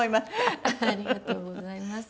ありがとうございます。